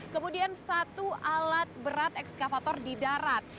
kemudian satu alat berat ekskavator di darat